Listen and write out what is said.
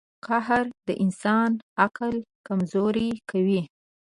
• قهر د انسان عقل کمزوری کوي.